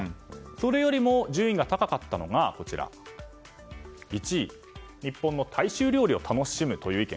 それよりも順位が高かったのが１位、日本の大衆料理を楽しむという意見